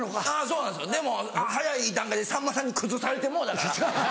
そうなんですよでも早い段階でさんまさんに崩されてもうたから。